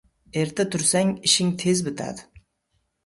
• Erta tursang, ishing tez bitadi.